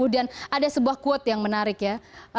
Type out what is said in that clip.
dan ada sebuah quote yang menarik ya